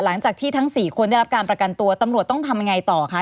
หลังจากที่ทั้ง๔คนได้รับการประกันตัวตำรวจต้องทำยังไงต่อคะ